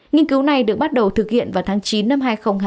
nghiên cứu này được bắt đầu thực hiện vào tháng chín năm hai nghìn hai mươi hai